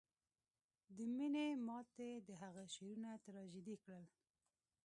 د مینې ماتې د هغه شعرونه تراژیدي کړل